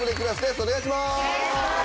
お願いします。